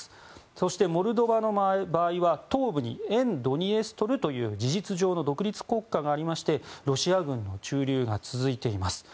そして、モルドバの場合は東部に沿ドニエストルという事実上の独立国家がありましてロシア軍の駐留が続いています。